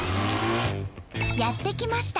やって来ました！